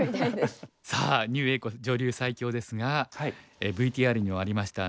さあ牛栄子女流最強ですがＶＴＲにもありました